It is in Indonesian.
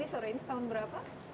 sore ini tahun berapa